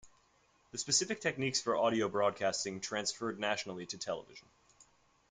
The specific techniques for audio broadcasting transferred naturally to television.